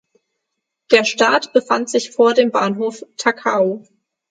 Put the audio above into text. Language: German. Der Start befand sich vor dem Bahnhof Takao.